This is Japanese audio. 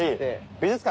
美術館？